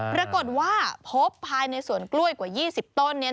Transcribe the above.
ปรากฏว่าพบภายในสวนกล้วยกว่า๒๐ต้น